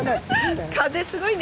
風すごいね！